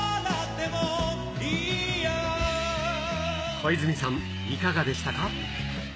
小泉さん、いかがでしたか？